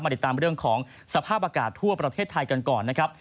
ติดตามเรื่องของสภาพอากาศทั่วประเทศไทยกันก่อนนะครับ